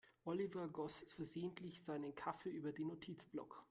Oliver goss versehentlich seinen Kaffee über den Notizblock.